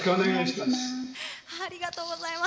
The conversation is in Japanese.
ありがとうございます。